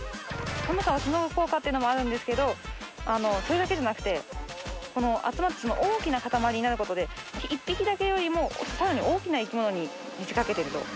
効果っていうのもあるんですけどそれだけじゃなくて集まって大きな固まりになることで１匹だけよりもさらに大きな生き物に見せかけてると。